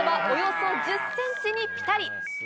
およそ１０ｃｍにピタリ。